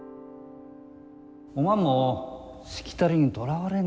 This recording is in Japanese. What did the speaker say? おまんもしきたりにとらわれんと。